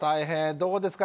どうですか？